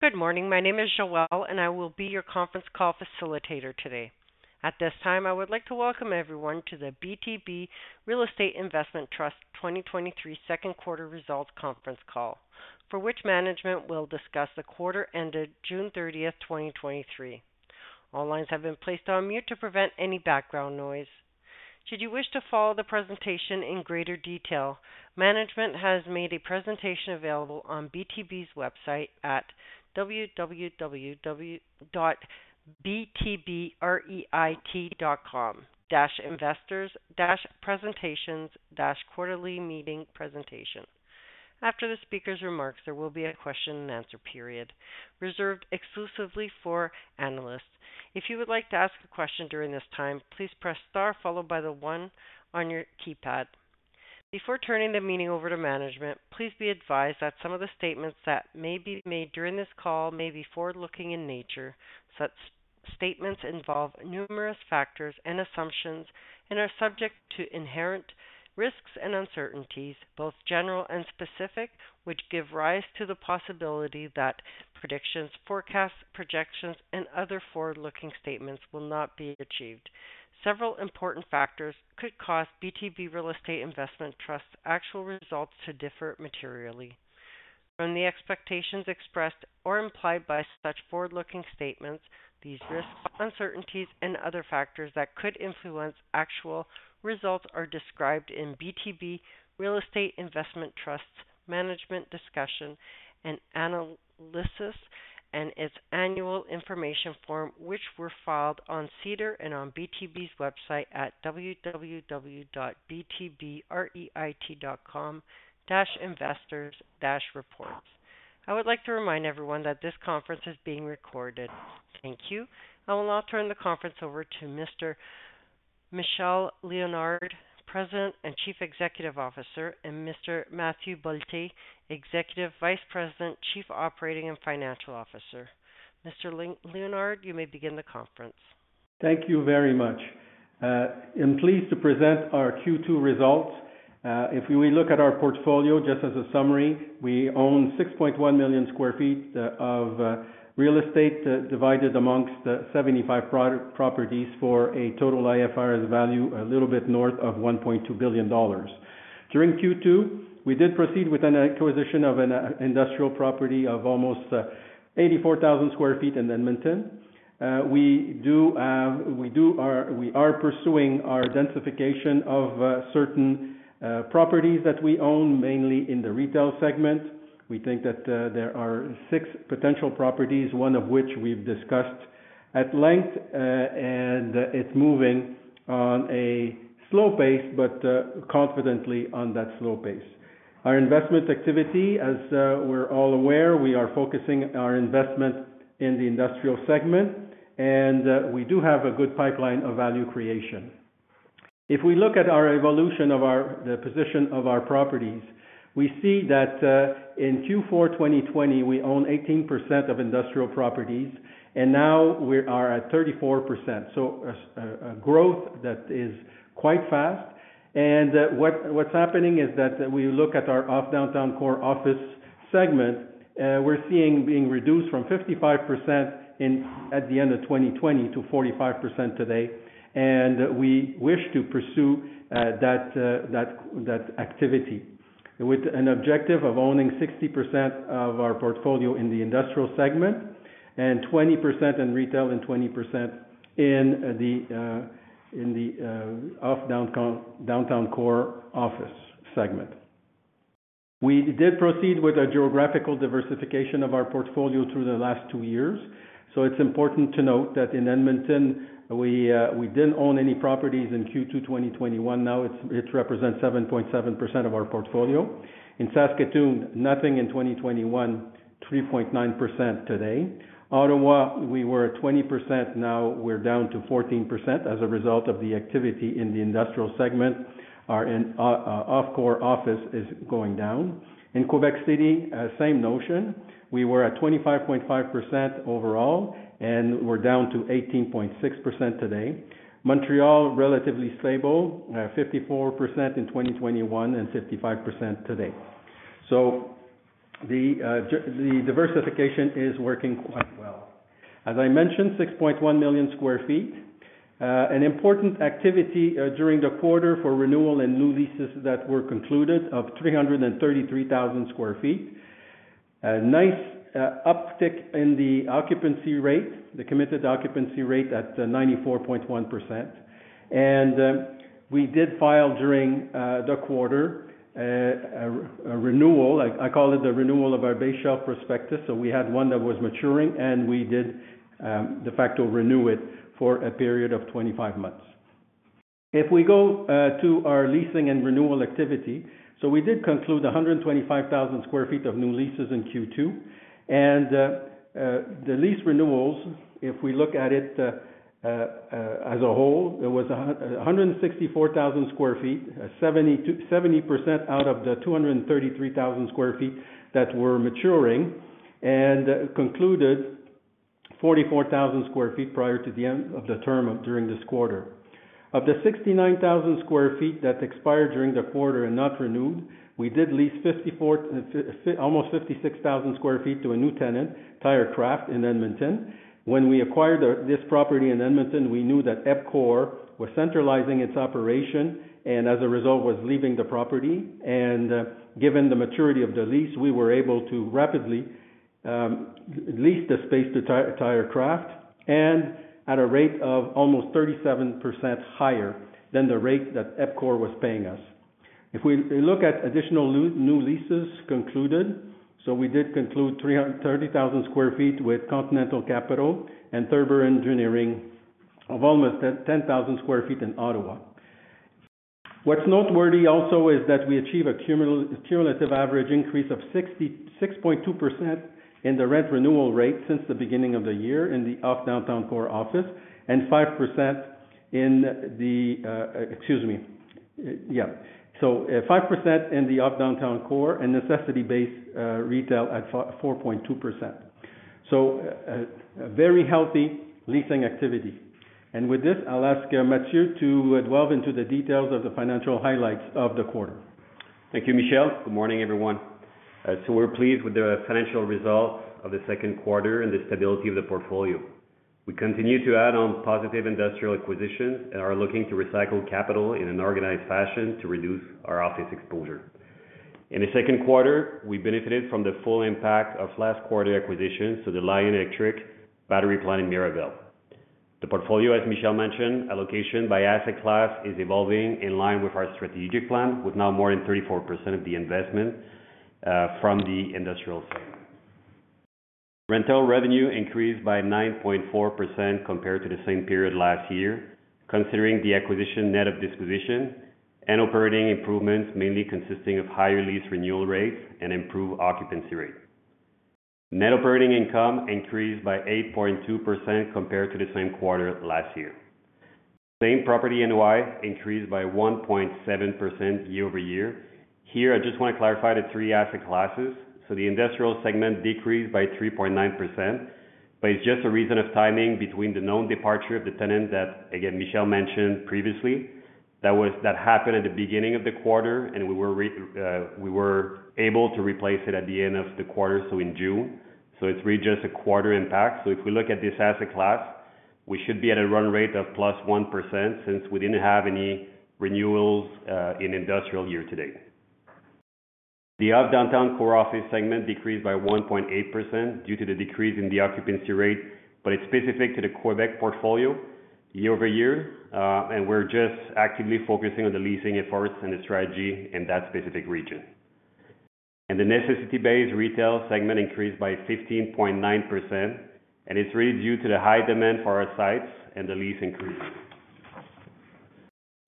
Good morning. My name is Joelle, and I will be your conference call facilitator today. At this time, I would like to welcome everyone to the BTB Real Estate Investment Trust 2023 second quarter results conference call, for which management will discuss the quarter ended June thirtieth, 2023. All lines have been placed on mute to prevent any background noise. Should you wish to follow the presentation in greater detail, management has made a presentation available on BTB's website at www.btbreit.com-investors-presentations-quarterly-meeting-presentation. After the speaker's remarks, there will be a question and answer period reserved exclusively for analysts. If you would like to ask a question during this time, please press star followed by the one on your keypad. Before turning the meeting over to management, please be advised that some of the statements that may be made during this call may be forward-looking in nature. Such statements involve numerous factors and assumptions and are subject to inherent risks and uncertainties, both general and specific, which give rise to the possibility that predictions, forecasts, projections, and other forward-looking statements will not be achieved. Several important factors could cause BTB Real Estate Investment Trust actual results to differ materially from the expectations expressed or implied by such forward-looking statements. These risks, uncertainties, and other factors that could influence actual results are described in BTB Real Estate Investment Trust, Management Discussion and Analysis, and its Annual Information Form, which were filed on SEDAR and on BTB's website at www.btbreit.com-investors-reports. I would like to remind everyone that this conference is being recorded. Thank you. I will now turn the conference over to Mr. Michel Léonard, President and Chief Executive Officer, and Mr. Mathieu Bolté, Executive Vice President, Chief Operating and Financial Officer. Mr. Léonard, you may begin the conference. Thank you very much. I'm pleased to present our Q2 results. If we look at our portfolio, just as a summary, we own 6.1 million sq ft of real estate, divided amongst 75 properties for a total IFRS value, a little bit north of 1.2 billion dollars. During Q2, we did proceed with an acquisition of an industrial property of almost 84,000 sq ft in Edmonton. We do, we are pursuing our densification of certain properties that we own, mainly in the retail segment. We think that there are six potential properties, one of which we've discussed at length, and it's moving on a slow pace, but confidently on that slow pace. Our investment activity, as we're all aware, we are focusing our investment in the industrial segment, and we do have a good pipeline of value creation. If we look at our evolution of our... the position of our properties, we see that in Q4 2020, we own 18% of industrial properties, and now we are at 34%, so a growth that is quite fast. What's happening is that we look at our off-downtown core office segment, we're seeing being reduced from 55% at the end of 2020 to 45% today, and we wish to pursue that, that, that activity. With an objective of owning 60% of our portfolio in the industrial segment and 20% in retail and 20% in the downtown core office segment. We did proceed with a geographical diversification of our portfolio through the last two years. It's important to note that in Edmonton, we didn't own any properties in Q2 2021. Now, it's, it represents 7.7% of our portfolio. In Saskatoon, nothing in 2021, 3.9% today. Ottawa, we were at 20%, now we're down to 14% as a result of the activity in the industrial segment, our off-core office is going down. In Quebec City, same notion. We were at 25.5% overall, We're down to 18.6% today. Montreal, relatively stable, 54% in 2021 and 55% today. The diversification is working quite well. As I mentioned, 6.1 million square feet. An important activity during the quarter for renewal and new leases that were concluded of 333,000 square feet. A nice uptick in the occupancy rate, the committed occupancy rate at 94.1%. We did file during the quarter a renewal, I call it the renewal of our base shelf prospectus, so we had one that was maturing, and we did de facto renew it for a period of 25 months. If we go to our leasing and renewal activity, so we did conclude 125,000 sq ft of new leases in Q2, and the lease renewals, if we look at it as a whole, it was 164,000 sq ft, 72%-70% out of the 233,000 sq ft that were maturing and concluded 44,000 sq ft prior to the end of the term during this quarter. Of the 69,000 sq ft that expired during the quarter and not renewed, we did lease 54, almost 56,000 sq ft to a new tenant, Tirecraft, in Edmonton. When we acquired this property in Edmonton, we knew that EPCOR was centralizing its operation, and as a result, was leaving the property. Given the maturity of the lease, we were able to rapidly lease the space to Tirecraft, and at a rate of almost 37% higher than the rate that EPCOR was paying us. If we look at additional new leases concluded, we did conclude 330,000 sq ft with Continental Capital and Thurber Engineering of almost 10,000 sq ft in Ottawa. What's noteworthy also is that we achieve a cumulative average increase of 66.2% in the rent renewal rate since the beginning of the year in the off-downtown core office, and 5% in the, excuse me. Yeah. 5% in the off-downtown core and necessity-based retail at 4.2%. A very healthy leasing activity. With this, I'll ask Mathieu to delve into the details of the financial highlights of the quarter. Thank you, Michel. Good morning, everyone. We're pleased with the financial results of the second quarter and the stability of the portfolio. We continue to add on positive industrial acquisitions and are looking to recycle capital in an organized fashion to reduce our office exposure. In the second quarter, we benefited from the full impact of last quarter acquisitions to the Lion Electric battery plant in Mirabel. The portfolio, as Michel mentioned, allocation by asset class, is evolving in line with our strategic plan, with now more than 34% of the investment from the industrial segment. Rental revenue increased by 9.4% compared to the same period last year, considering the acquisition net of disposition and operating improvements, mainly consisting of higher lease renewal rates and improved occupancy rate. Net operating income increased by 8.2% compared to the same quarter last year. Same property NOI increased by 1.7% year-over-year. Here, I just want to clarify the three asset classes. The industrial segment decreased by 3.9%, but it's just a reason of timing between the known departure of the tenant that, again, Michel mentioned previously. That happened at the beginning of the quarter, and we were able to replace it at the end of the quarter, so in June. It's really just a quarter impact. If we look at this asset class, we should be at a run rate of +1%, since we didn't have any renewals in industrial year to date. The off-downtown core office segment decreased by 1.8% due to the decrease in the occupancy rate, it's specific to the Quebec portfolio year-over-year. We're just actively focusing on the leasing efforts and the strategy in that specific region. The necessity-based retail segment increased by 15.9%, and it's really due to the high demand for our sites and the lease increases.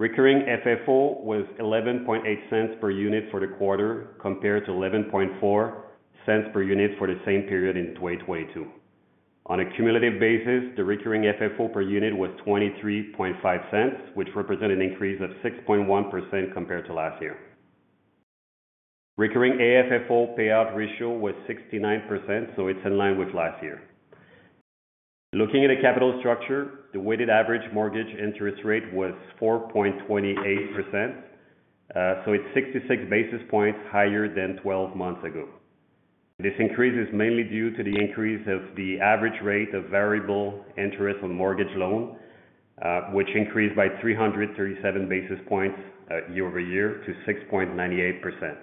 Recurring FFO was 0.118 per unit for the quarter, compared to 0.114 per unit for the same period in 2022. On a cumulative basis, the recurring FFO per unit was 0.235, which represent an increase of 6.1% compared to last year. Recurring AFFO payout ratio was 69%, it's in line with last year. Looking at the capital structure, the weighted average mortgage interest rate was 4.28%, so it's 66 basis points higher than 12 months ago. This increase is mainly due to the increase of the average rate of variable interest on mortgage loan, which increased by 337 basis points year-over-year to 6.98%.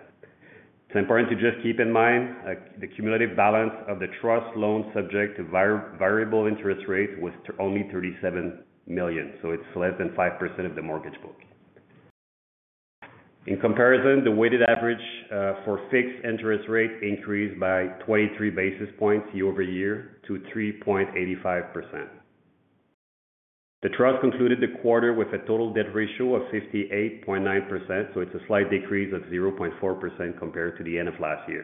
It's important to just keep in mind, the cumulative balance of the trust loan subject to variable interest rate was only 37 million, so it's less than 5% of the mortgage book. In comparison, the weighted average for fixed interest rate increased by 23 basis points year-over-year to 3.85%. The trust concluded the quarter with a total debt ratio of 68.9%, so it's a slight decrease of 0.4% compared to the end of last year.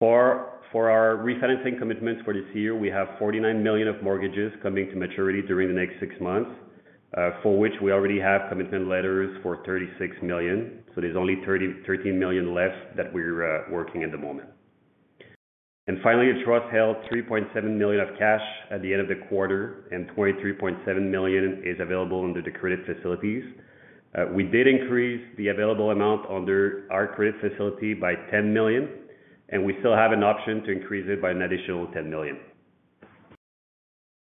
For our refinancing commitments for this year, we have 49 million of mortgages coming to maturity during the next six months, for which we already have commitment letters for 36 million. There's only 13 million left that we're working at the moment. Finally, the trust held 3.7 million of cash at the end of the quarter, and 23.7 million is available under the credit facilities. We did increase the available amount under our credit facility by 10 million, and we still have an option to increase it by an additional 10 million.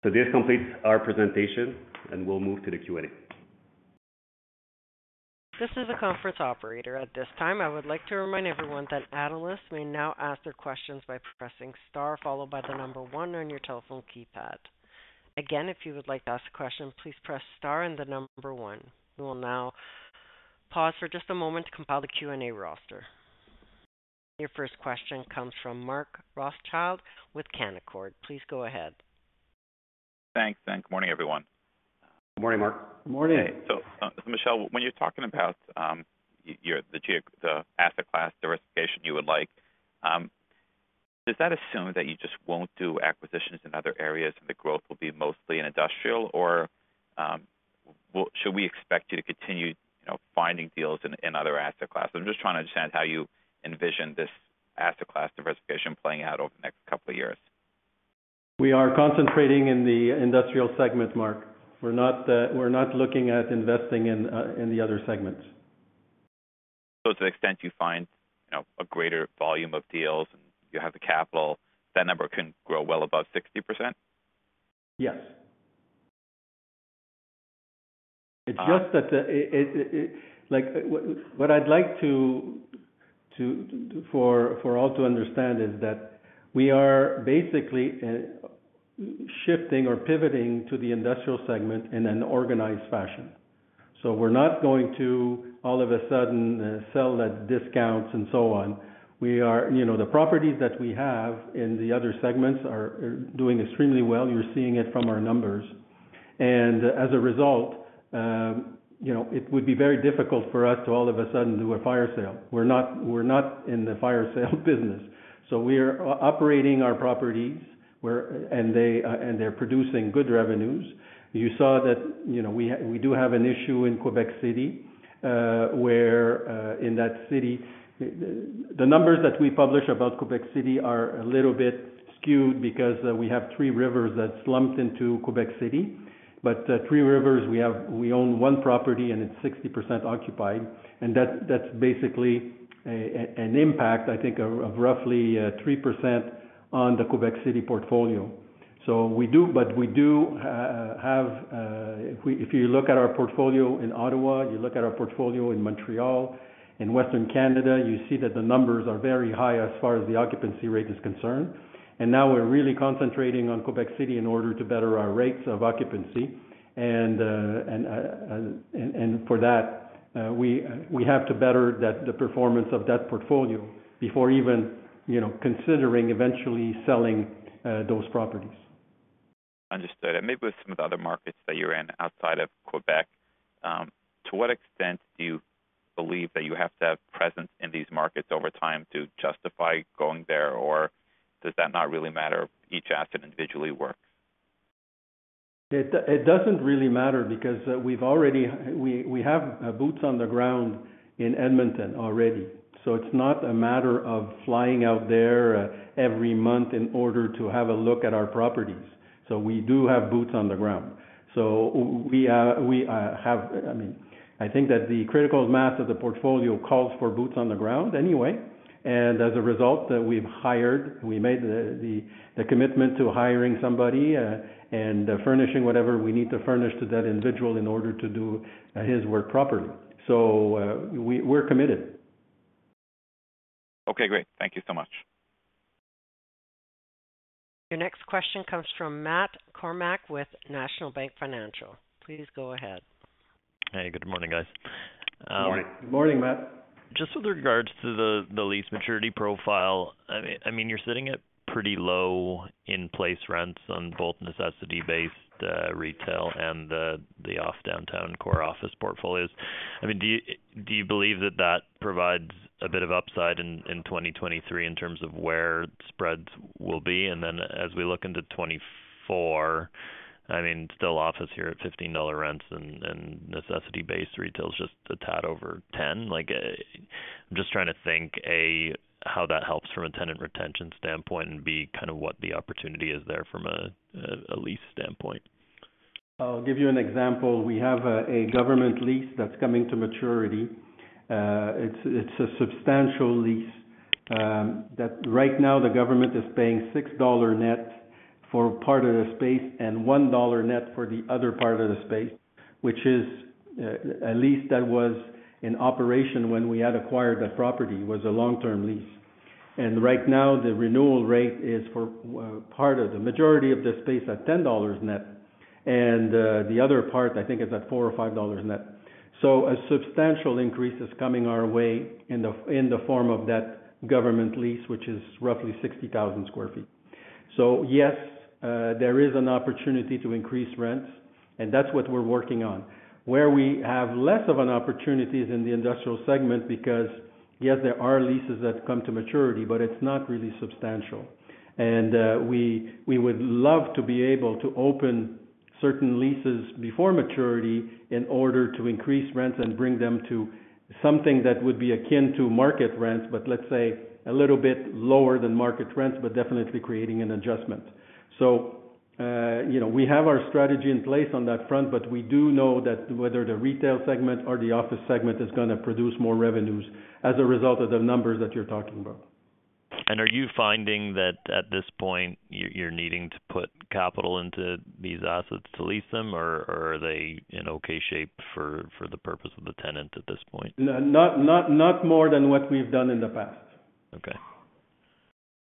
This completes our presentation, and we'll move to the Q&A. This is a conference operator. At this time, I would like to remind everyone that analysts may now ask their questions by pressing star, followed by the number 1 on your telephone keypad. Again, if you would like to ask a question, please press star and the number 1. We will now pause for just a moment to compile the Q&A roster. Your first question comes from Mark Rothschild with Canaccord. Please go ahead. Thanks. Good morning, everyone. Good morning, Mark. Good morning. Michel, when you're talking about your, the asset class diversification you would like, does that assume that you just won't do acquisitions in other areas, and the growth will be mostly in industrial? Well, should we expect you to continue, you know, finding deals in, in other asset classes? I'm just trying to understand how you envision this asset class diversification playing out over the next couple of years. We are concentrating in the industrial segment, Mark. We're not, we're not looking at investing in, in the other segments. To the extent you find, you know, a greater volume of deals and you have the capital, that number can grow well above 60%? Yes. It's just that, Like, what, what I'd like to, to, for, for all to understand is that we are basically, shifting or pivoting to the industrial segment in an organized fashion. We're not going to, all of a sudden, sell at discounts and so on. You know, the properties that we have in the other segments are, are doing extremely well. You're seeing it from our numbers. As a result, you know, it would be very difficult for us to, all of a sudden, do a fire sale. We're not, we're not in the fire sale business. We are operating our properties, and they, and they're producing good revenues. You saw that, you know, we do have an issue in Quebec City, where, in that city... The numbers that we publish about Quebec City are a little bit skewed because we have Three Rivers that slumped into Quebec City. Three Rivers, we own one property, and it's 60% occupied, and that's basically an impact, I think, of roughly 3% on the Quebec City portfolio. We do have, if we, if you look at our portfolio in Ottawa, you look at our portfolio in Montreal, in Western Canada, you see that the numbers are very high as far as the occupancy rate is concerned. Now we're really concentrating on Quebec City in order to better our rates of occupancy. For that, we have to better that, the performance of that portfolio before even, you know, considering eventually selling those properties. Understood. Maybe with some of the other markets that you're in outside of Quebec, to what extent do you believe that you have to have presence in these markets over time to justify going there? Does that not really matter, each asset individually works? It doesn't really matter because we, we have boots on the ground in Edmonton already, so it's not a matter of flying out there every month in order to have a look at our properties. We do have boots on the ground. We, I mean, I think that the critical mass of the portfolio calls for boots on the ground anyway, and as a result, we made the commitment to hiring somebody and furnishing whatever we need to furnish to that individual in order to do his work properly. We, we're committed. Okay, great. Thank you so much. Your next question comes from Matt Kornack with National Bank Financial. Please go ahead. Hey, good morning, guys. Good morning. Good morning, Matt. Just with regards to the, the lease maturity profile, I mean, I mean, you're sitting at pretty low in-place rents on both necessity-based retail and the, the off-downtown core office portfolios. I mean, do you, do you believe that that provides a bit of upside in, in 2023 in terms of where spreads will be? As we look into 2024, I mean, still office here at 15 dollar rents and, and necessity-based retail is just a tad over 10. Like, I'm just trying to think, A, how that helps from a tenant retention standpoint, and B, kind of what the opportunity is there from a, a, a lease standpoint. I'll give you an example. We have a government lease that's coming to maturity. It's a substantial lease that right now, the government is paying 6 dollar net for part of the space and 1 dollar net for the other part of the space, which is a lease that was in operation when we had acquired that property, was a long-term lease. Right now, the renewal rate is for part of the majority of the space at 10 dollars net, and the other part, I think, is at 4 or 5 dollars net. A substantial increase is coming our way in the form of that government lease, which is roughly 60,000 sq ft. Yes, there is an opportunity to increase rents, and that's what we're working on. Where we have less of an opportunity is in the industrial segment, because, yes, there are leases that come to maturity, but it's not really substantial. We, we would love to be able to open certain leases before maturity in order to increase rents and bring them to something that would be akin to market rents, but let's say a little bit lower than market rents, but definitely creating an adjustment. You know, we have our strategy in place on that front, but we do know that whether the retail segment or the office segment is gonna produce more revenues as a result of the numbers that you're talking about. Are you finding that at this point, you're needing to put capital into these assets to lease them, or are they in okay shape for the purpose of the tenant at this point? No, not, not, not more than what we've done in the past. Okay.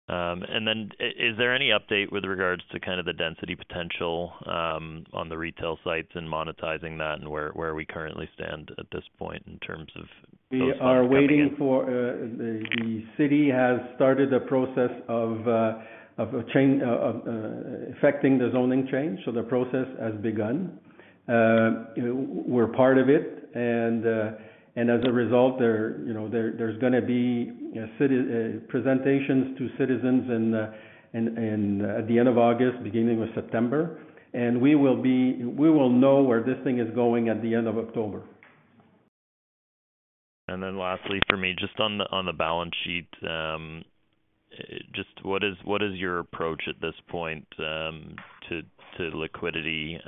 Is there any update with regards to kind of the density potential, on the retail sites and monetizing that and where, where we currently stand at this point in terms of... We are waiting for, the, the city has started a process of, of a chain, of, affecting the zoning change, so the process has begun. We're part of it, and, and as a result, there, you know, there, there's gonna be presentations to citizens in, in, in the end of August, beginning of September. We will know where this thing is going at the end of October. Lastly, for me, just on the, on the balance sheet, just what is, what is your approach at this point to liquidity,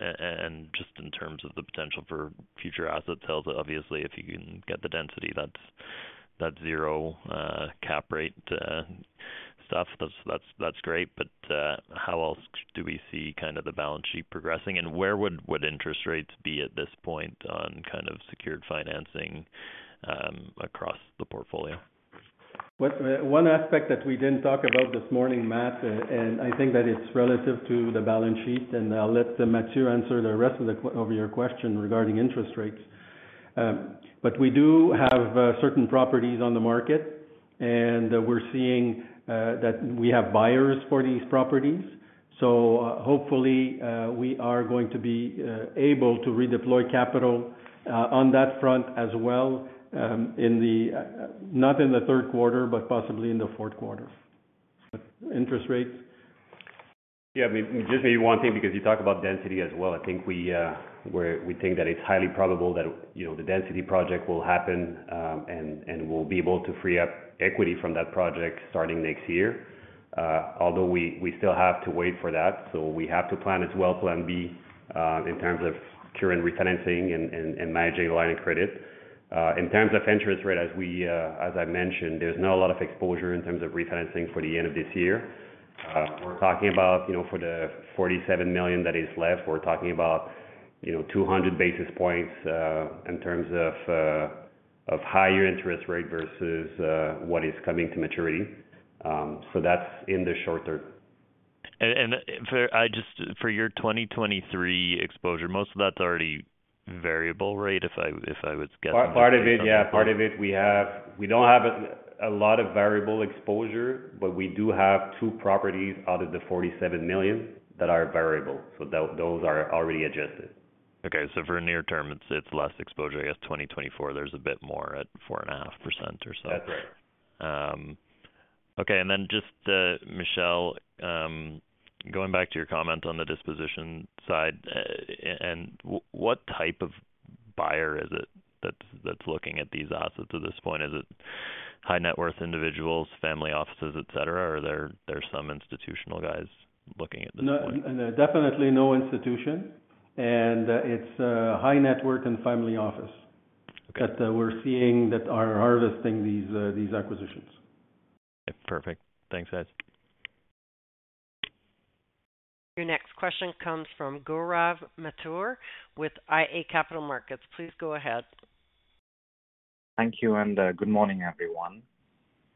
and just in terms of the potential for future asset sales? Obviously, if you can get the density, that's, that's zero cap rate stuff. That's, that's, that's great, but how else do we see kind of the balance sheet progressing, and where would, would interest rates be at this point on kind of secured financing across the portfolio? Well, one aspect that we didn't talk about this morning, Matt, and I think that it's relative to the balance sheet, and I'll let Mathieu answer the rest of your question regarding interest rates. We do have certain properties on the market, and we're seeing that we have buyers for these properties. Hopefully, we are going to be able to redeploy capital on that front as well, in the not in the third quarter, but possibly in the fourth quarter. Interest rates? Yeah, I mean, just maybe one thing, because you talked about density as well. I think we think that it's highly probable that, you know, the density project will happen, and we'll be able to free up equity from that project starting next year. Although we still have to wait for that, so we have to plan as well plan B, in terms of current refinancing and managing line of credit. In terms of interest rate, as I mentioned, there's not a lot of exposure in terms of refinancing for the end of this year. We're talking about, you know, for the 47 million that is left, we're talking about, you know, 200 basis points in terms of higher interest rate versus what is coming to maturity. That's in the short term. I just for your 2023 exposure, most of that's already variable, right? If I was getting- Part of it, yeah. Part of it we don't have a lot of variable exposure, but we do have two properties out of the 47 million that are variable, so those are already adjusted. Okay. for near term, it's, it's less exposure. I guess 2024, there's a bit more at 4.5% or so. That's right. Okay. Just, Michel, going back to your comment on the disposition side, and what type of buyer is it that's, that's looking at these assets at this point? Is it high-net-worth individuals, family offices, et cetera, or there, there are some institutional guys looking at this point? No, definitely no institution, and it's high net worth and family office, because we're seeing that are harvesting these, these acquisitions. Perfect. Thanks, guys. Your next question comes from Gaurav Mathur with iA Capital Markets. Please go ahead. Thank you, and, good morning, everyone.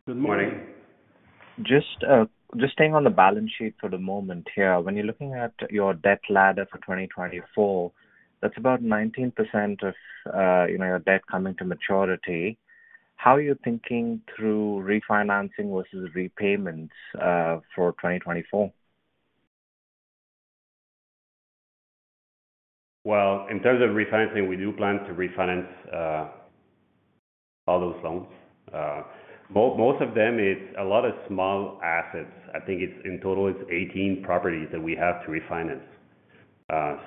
Good morning. Good morning. Just, just staying on the balance sheet for the moment here. When you're looking at your debt ladder for 2024, that's about 19% of, you know, your debt coming to maturity. How are you thinking through refinancing versus repayments, for 2024? In terms of refinancing, we do plan to refinance all those loans. Most of them, it's a lot of small assets. I think it's in total, it's 18 properties that we have to refinance.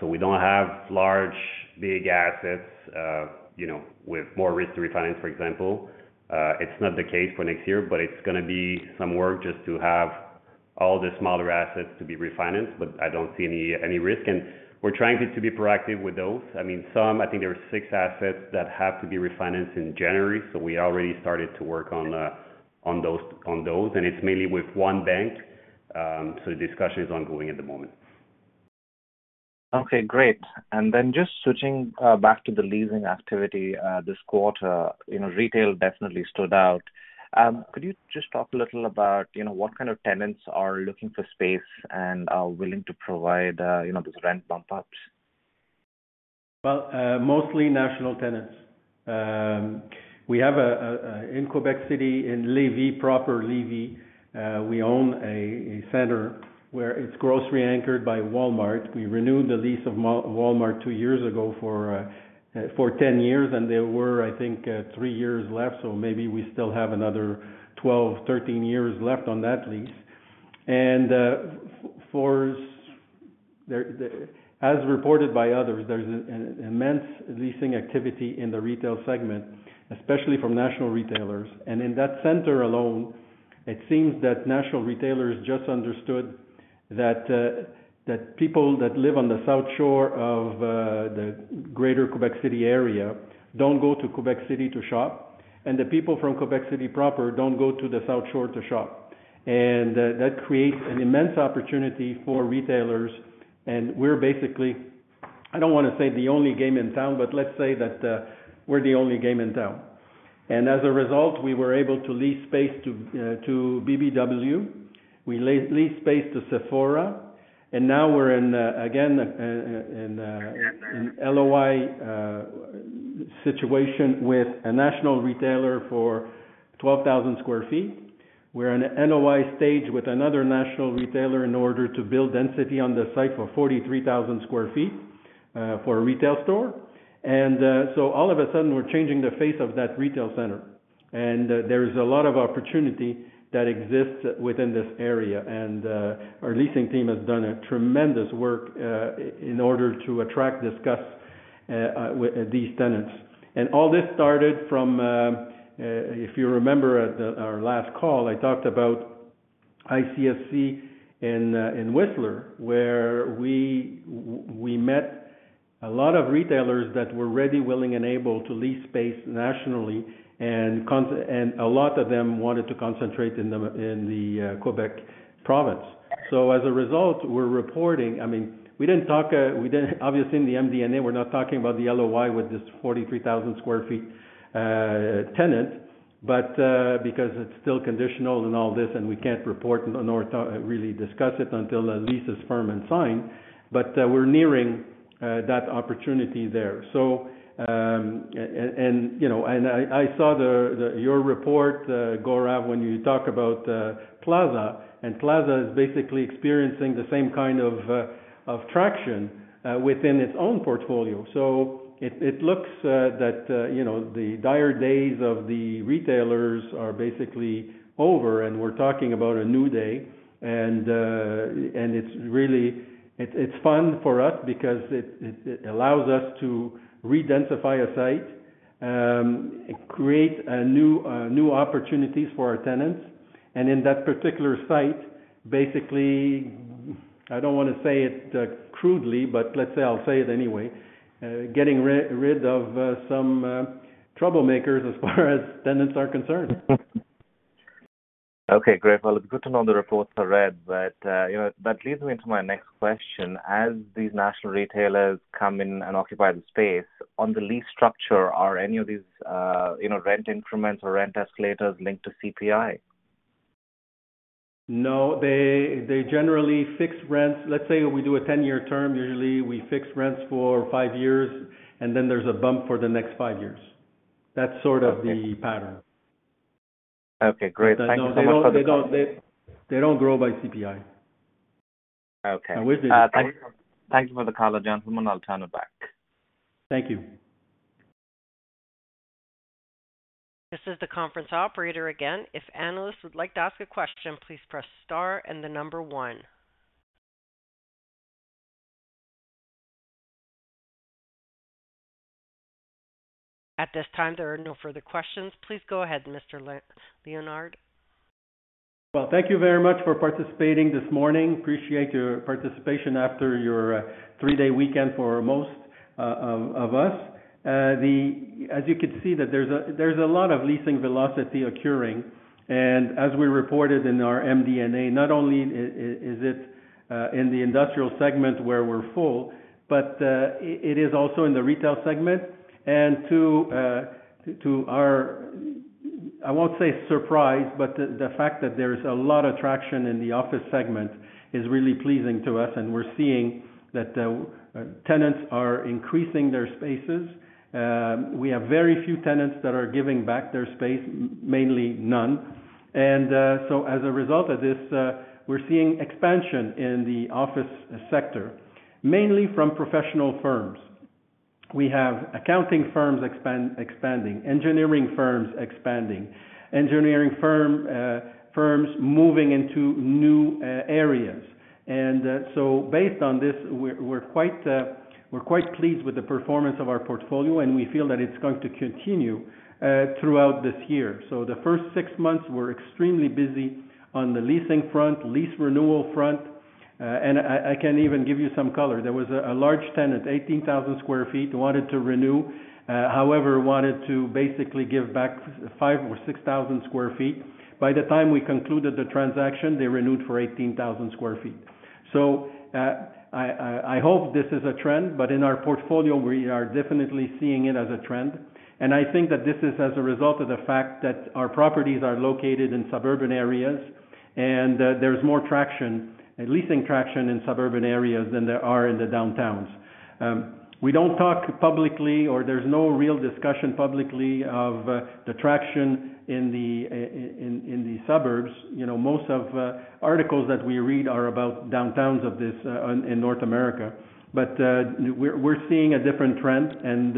We don't have large, big assets, you know, with more risk to refinance, for example. It's not the case for next year, but it's gonna be some work just to have all the smaller assets to be refinanced, but I don't see any, any risk. We're trying to, to be proactive with those. I mean, some, I think there are six assets that have to be refinanced in January, so we already started to work on those, on those, and it's mainly with one bank. The discussion is ongoing at the moment. Okay, great. Then just switching, back to the leasing activity, this quarter, you know, retail definitely stood out. Could you just talk a little about, you know, what kind of tenants are looking for space and are willing to provide, you know, these rent bump ups? Well, mostly national tenants. We have in Québec City, in Lévis, proper Lévis, we own a center where it's grocery anchored by Walmart. We renewed the lease of Walmart two years ago for 10 years, and there were, I think, three years left, so maybe we still have another 12, 13 years left on that lease. As reported by others, there's an immense leasing activity in the retail segment, especially from national retailers. In that center alone, it seems that national retailers just understood that people that live on the South Shore of the greater Québec City area don't go to Québec City to shop, and the people from Québec City proper don't go to the South Shore to shop. That creates an immense opportunity for retailers, and we're basically, I don't wanna say the only game in town, but let's say that, we're the only game in town. As a result, we were able to lease space to BBW. We leased space to Sephora, and now we're in again, in an LOI situation with a national retailer for 12,000 sq ft. We're in an NOI stage with another national retailer in order to build density on the site for 43,000 sq ft for a retail store. All of a sudden, we're changing the face of that retail center. There is a lot of opportunity that exists within this area, and our leasing team has done a tremendous work in order to attract, discuss with these tenants. All this started from, if you remember at our last call, I talked about ICSC in Whistler, where we met a lot of retailers that were ready, willing, and able to lease space nationally, and a lot of them wanted to concentrate in the Quebec province. As a result, we're reporting, I mean, we didn't talk, we didn't obviously in the MD&A, we're not talking about the LOI with this 43,000 sq ft tenant, because it's still conditional and all this, and we can't report nor really discuss it until the lease is firm and signed. We're nearing that opportunity there. You know, and I, I saw the, the, your report, Gaurav, when you talk about Plaza, and Plaza is basically experiencing the same kind of traction within its own portfolio. It, it looks that, you know, the dire days of the retailers are basically over, and we're talking about a new day, and it's really. It, it's fun for us because it, it, it allows us to redensify a site, create new opportunities for our tenants. In that particular site, basically, I don't wanna say it crudely, but let's say I'll say it anyway, getting rid of some troublemakers as far as tenants are concerned. Okay, great. Well, it's good to know the reports are read, but, you know, that leads me into my next question. As these national retailers come in and occupy the space, on the lease structure, are any of these, you know, rent increments or rent escalators linked to CPI? No, they, they generally fix rents. Let's say we do a 10-year term. Usually, we fix rents for five years, and then there's a bump for the next five years. That's sort of. Okay. the pattern. Okay, great. Thank you so much for- They don't, they don't, they, they don't grow by CPI. Okay. Now, we're. Thank you. Thank you for the call, gentlemen. I'll turn it back. Thank you. This is the conference operator again. If analysts would like to ask a question, please press star and one. At this time, there are no further questions. Please go ahead, Mr. Léonard. Well, thank you very much for participating this morning. Appreciate your participation after your three-day weekend for most of us. As you can see that there's a lot of leasing velocity occurring, as we reported in our MD&A, not only is it in the industrial segment where we're full, it is also in the retail segment. To, to our, I won't say surprised, but the fact that there's a lot of traction in the office segment is really pleasing to us, and we're seeing that tenants are increasing their spaces. We have very few tenants that are giving back their space, mainly none. As a result of this, we're seeing expansion in the office sector, mainly from professional firms. We have accounting firms expand, expanding, engineering firms expanding, engineering firm, firms moving into new areas. Based on this, we're, we're quite, we're quite pleased with the performance of our portfolio, and we feel that it's going to continue throughout this year. The first six months, we're extremely busy on the leasing front, lease renewal front, and I, I can even give you some color. There was a, a large tenant, 18,000 sq ft, wanted to renew, however, wanted to basically give back 5,000 or 6,000 sq ft. By the time we concluded the transaction, they renewed for 18,000 sq ft. I, I, I hope this is a trend, but in our portfolio, we are definitely seeing it as a trend. I think that this is as a result of the fact that our properties are located in suburban areas, and there's more traction, leasing traction in suburban areas than there are in the downtowns. We don't talk publicly, or there's no real discussion publicly of the traction in the suburbs. You know, most of articles that we read are about downtowns of this in North America. We're seeing a different trend, and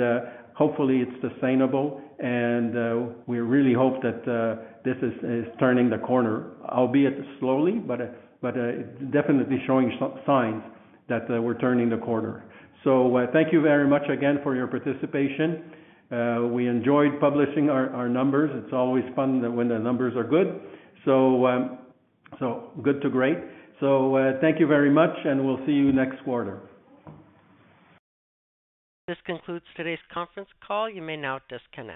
hopefully it's sustainable, and we really hope that this is turning the corner. Albeit slowly, but definitely showing signs that we're turning the corner. Thank you very much again for your participation. We enjoyed publishing our numbers. It's always fun when the numbers are good. Good to great. Thank you very much, and we'll see you next quarter. This concludes today's conference call. You may now disconnect.